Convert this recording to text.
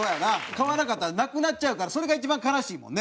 買わなかったらなくなっちゃうからそれが一番悲しいもんね。